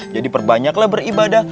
jadi perbanyaklah beribadah